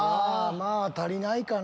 まぁ足りないかな。